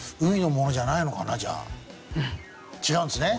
違うんですね？